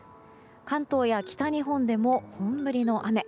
関東や北日本でも本降りの雨。